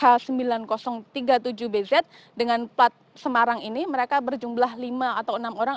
densus delapan puluh delapan anti teror yang diangkat dengan plat semarang ini mereka berjumlah lima atau enam orang